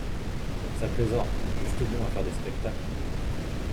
Sacrés orques, juste bon à faire des spectacles.